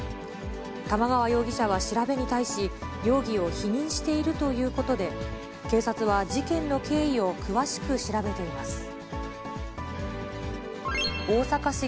玉川容疑者は調べに対し、容疑を否認しているということで、警察は事件の経緯を詳しく調べています。